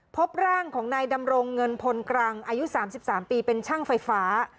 พบร่างของนายดำรงเงินพลกรังอายุ๓๓ปีเป็นช่างไฟฟ้า